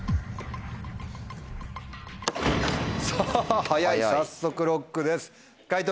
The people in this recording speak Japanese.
さぁ早い早速ＬＯＣＫです解答